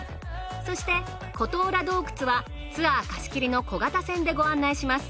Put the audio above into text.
そして琴浦洞窟はツアー貸切の小型船でご案内します。